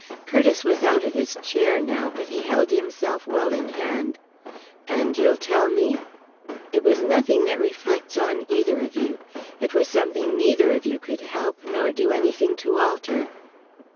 Curtiss was out of his chair now; but he held himself well in hand. "And you'll tell me?" "It was nothing that reflects on either of you. It was something neither of you could help nor do anything to alter."